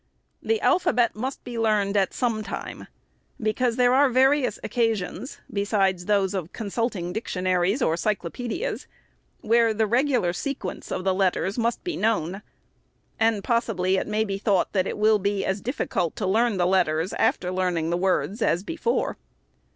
The alphabet must be learned, at some time, because there are various occasions, besides those of consulting dictionaries or cyclo pedias, where the regular sequence of the letters must be known ; and possibly it may be thought, that it will be as difficult to learn the letters, after learning the words, as before.